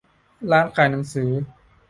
ร้านขายหนังสือ